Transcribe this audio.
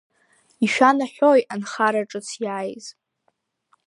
Ишәанаҳәои анхара ҿыц иааиз?